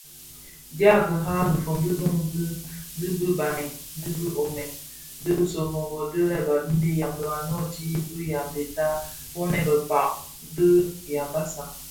Dia kira, dhifon di duňzi di bë bènèn, dhi bë Omën, dhisōmoro dyi lè babimbi Yaoundo a nōōti (bi Yambeta, Ponèkn Bekpag dhi Yambassa).